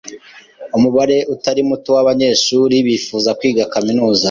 Umubare utari muto wabanyeshuri bifuza kwiga kaminuza.